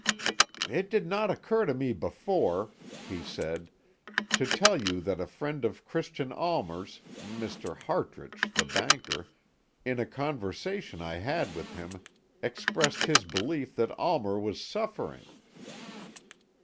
"It did not occur to me before," he said, "to tell you that a friend of Christian Almer's Mr. Hartrich, the banker in a conversation I had with him, expressed his belief that Almer was suffering."